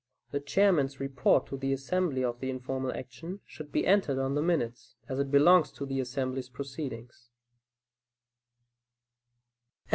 The Chairman's report to the assembly of the informal action, should be entered on the minutes, as it belongs to the assembly's proceedings.